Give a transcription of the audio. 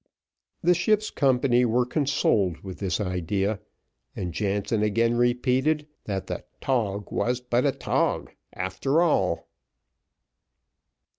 The ship's company were consoled with this idea, and Jansen again repeated, "that the tog was but a tog, after all."